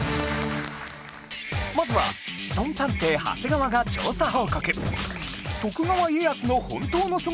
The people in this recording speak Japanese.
まずはシソン探偵長谷川が調査報告